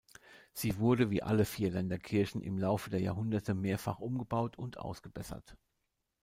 Sie wurde, wie alle Vierländer Kirchen, im Laufe der Jahrhunderte mehrfach umgebaut und ausgebessert.